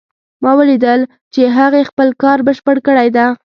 ما ولیدل چې هغې خپل کار بشپړ کړی ده